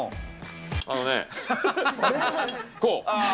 あのね、こう。